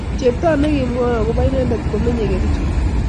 chepto negimwaun agoba inenendet komenye Kericho